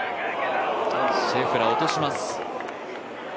シェフラー、落とします。